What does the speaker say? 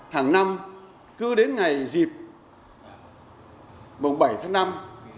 hàng năm cứ đến ngày dịp bảy tháng năm